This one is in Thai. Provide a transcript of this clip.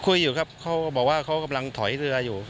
คุยอยู่ครับเขาบอกว่าเขากำลังถอยเรืออยู่